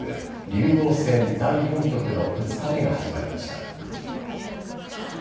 竜王戦第４局の２日目が始まりました。